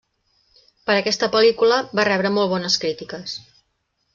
Per aquesta pel·lícula va rebre molt bones crítiques.